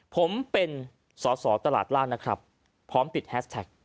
ผมเป็นสอสอตลาดร่างนะครับพร้อมติดแฮสแท็ก